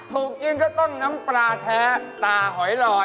ถูกยิงก็ต้องน้ำปลาแท้ตาหอยหลอด